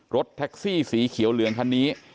รถแท็กซี่สีเขียวเหลืองคันนี้